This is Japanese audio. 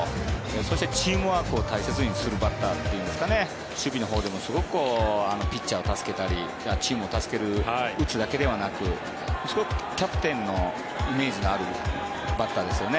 そして、チームワークを大切にするバッターというか守備のほうでもすごくピッチャーを助けたりチームを助ける打つだけではなくキャプテンのイメージがあるバッターですよね。